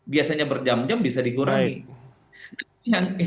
biasanya berjam jam bisa dikurangi